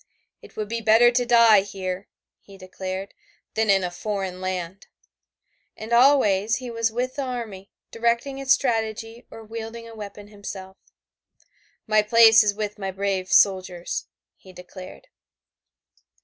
"It would be better to die here," he declared, "than in a foreign land." And always he was with the army, directing its strategy or wielding a weapon himself. "My place is with my brave soldiers," he declared.